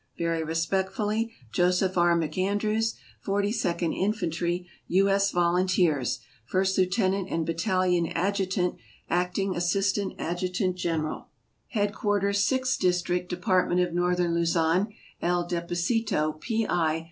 Very respectfully, Joseph K. McAndrews, Forty second Infantry, U. S. Volunteers, First Lieutenant and Battalion Adjutant, Acting Assistant Adjutant General. SKETCHES OF TRAVEL Headquarters Sixth District, Department of Northern Luzon, El Deposito, P. I.